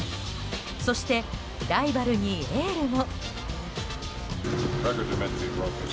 そして、ライバルにエールも。